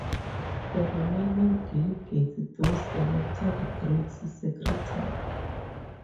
The remaining delegates thus elected Craxi secretary.